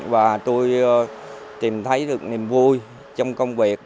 và tôi tìm thấy được niềm vui trong công việc